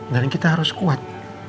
dan kita harus kuat